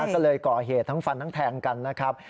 ก็เลยก่อเหตุทั้งฟันทั้งแทงกันนะครับ